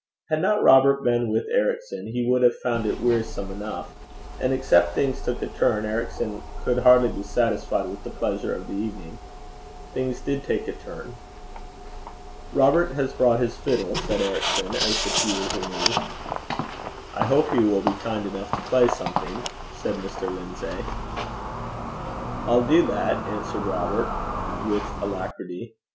Had not Robert been with Ericson, he would have found it wearisome enough; and except things took a turn, Ericson could hardly be satisfied with the pleasure of the evening. Things did take a turn. 'Robert has brought his fiddle,' said Ericson, as the tea was removed. 'I hope he will be kind enough to play something,' said Mr. Lindsay. 'I'll do that,' answered Robert, with alacrity.